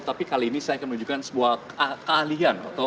tapi kali ini saya akan menunjukkan sebuah keahlian